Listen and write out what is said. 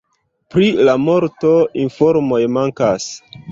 Pri la morto informoj mankas.